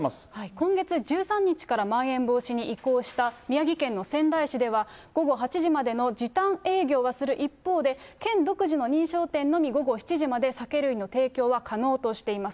今月１３日からまん延防止に移行した宮城県の仙台市では、午後８時までの時短営業はする一方で、県独自の認証店のみ、午後７時まで酒類の提供は可能としています。